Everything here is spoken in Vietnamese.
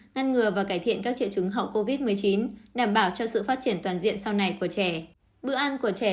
ngăn ngừa và cải thiện các triệu chứng hậu covid một mươi chín đảm bảo cho sự phát triển toàn diện sau này của trẻ